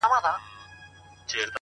راتلو کي به معیوبه زموږ ټوله جامعه وي,